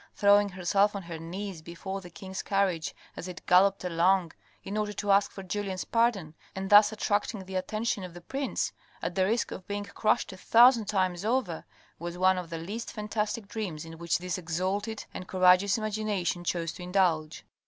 Throwing herself on her knees before the king's carriage as it galloped along, in order to ask for Julien's pardon, and thus attracting the attention of the prince, at the risk of being crushed a thousand times over, was one of the least fantastic dreams in which this exalted and courageous imagination chose to indulge.